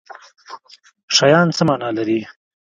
شیان څه معنی لري